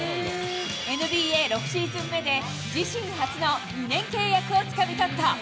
ＮＢＡ６シーズン目で、自身初の２年契約をつかみ取った。